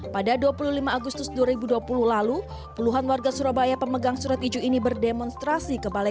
pada dua puluh lima agustus dua ribu dua puluh lalu puluhan warga surabaya pemegang surat iju ini berdemonstrasi ke balai